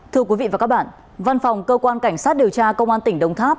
thưa quý vị và các bạn văn phòng cơ quan cảnh sát điều tra công an tỉnh đồng tháp